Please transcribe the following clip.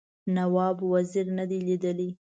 نواب وزیر نه دی لیدلی.